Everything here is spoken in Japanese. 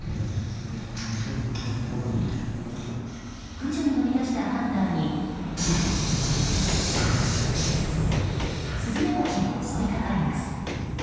駆除に乗り出したハンターにスズメバチが襲いかかります。